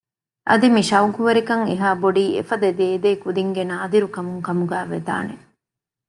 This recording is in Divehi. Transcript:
އަދި މި ޝައުޤުވެރިކަން އެހާ ބޮޑީ އެފަދަ ދޭދޭ ކުދިންގެ ނާދިރު ކަމުން ކަމުގައި ވެދާނެ